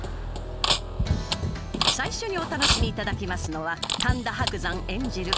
最初にお楽しみいただきますのは神田伯山演じる